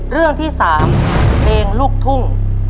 เรื่องที่สามเดงลูกทุ่ง